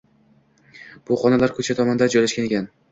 Bu xonalar ko’cha tomonda joylashgan ekan.